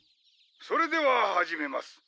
それでは始めます。